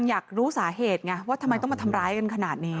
อยากรู้สาเหตุไงว่าทำไมต้องมาทำร้ายกันขนาดนี้